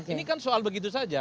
ini kan soal begitu saja